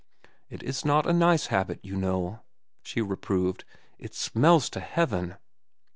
"It is not a nice habit, you know," she reproved. "It smells to heaven."